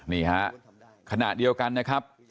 นี่ค่ะขนาดเดียวกันนะครับ